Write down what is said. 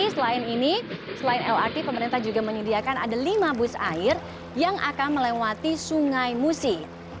selain ini selain lrt pemerintah juga menyediakan ada lima bus air yang akan melewati sungai musi